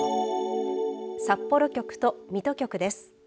札幌局と水戸局です。